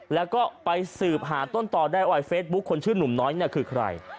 แล้วก็ไปสืบหาต้นต่อได้ว่าเฟซบุ๊คคนชื่อหนุ่มน้อยเนี่ยคือใคร